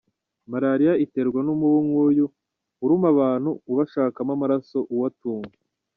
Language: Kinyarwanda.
Malaria iterwa n’umubu nk’uyu uruma abantu ubashakamo amaraso awutunga.